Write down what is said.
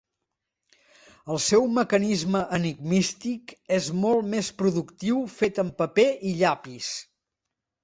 El seu mecanisme enigmístic és molt més productiu fet amb paper i llapis.